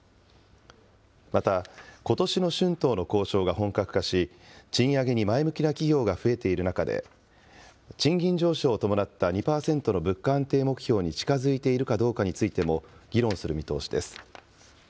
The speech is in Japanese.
また、ことしの春闘の交渉が本格化し、賃上げに前向きな企業が増えている中で、賃金上昇を伴った２％の物価安定目標に近づいているかどうかについても、議論する見通しです。